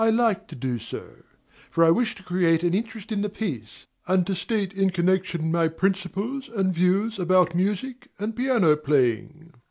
I like to do so; for I wish to create an interest in the piece, and to state in connection my principles and views about music and piano playing.